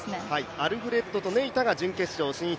アルフレッドとネイタが準決勝進出。